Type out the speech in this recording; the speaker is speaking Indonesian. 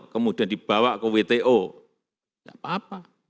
kemudian dibawa ke wto tidak apa apa